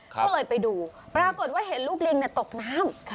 ก็เลยไปดูปรากฏว่าเห็นลูกลิงตกน้ำ